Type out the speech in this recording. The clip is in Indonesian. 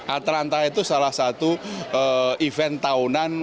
atranta itu salah satu event tahunan